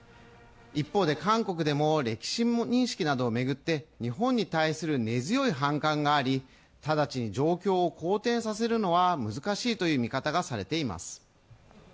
一方で韓国でも歴史認識などを巡って日本に対する根強い不満があり直ちに状況を好転させるのは難しいという見方がされています。